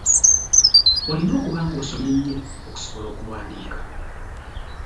Olina okuba ng'osomye nnyo okusobola okuwandiika.